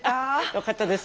よかったです。